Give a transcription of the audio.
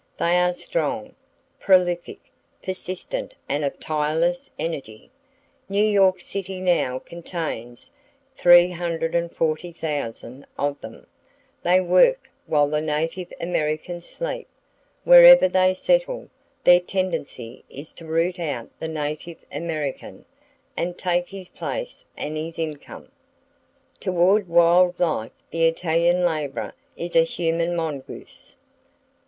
They are strong, prolific, persistent and of tireless energy. New York City now contains 340,000 of them. They work while the native Americans sleep. Wherever they settle, their tendency is to root out the native American and take his place and his income. Toward wild life the Italian laborer is a human mongoose.